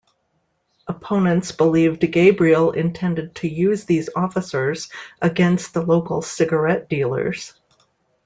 Opponents believed Gabriel intended to use these officers against the local cigarette dealers.